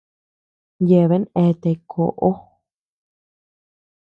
Yeaben eate koʼo.